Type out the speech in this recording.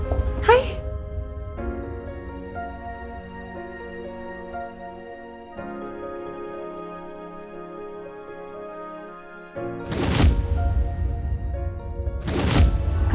astaga anjing memang kuat